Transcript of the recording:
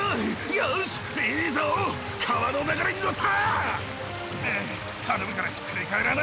よしいいぞ川の流れに乗った！